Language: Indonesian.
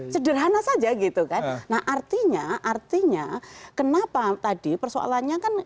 sederhana saja gitu kan nah artinya artinya kenapa tadi persoalannya kan